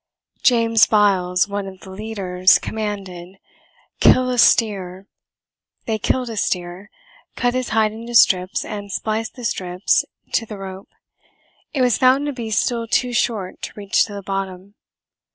James Biles, one of the leaders, commanded, "Kill a steer." They killed a steer, cut his hide into strips, and spliced the strips to the rope. It was found to be still too short to reach to the bottom.